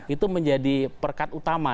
itu menjadi perkat utama